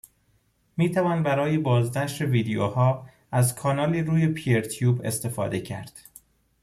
میتوان برای بازنشر ویدیو ها از کانالی روی پیرتیوب استفاده کرد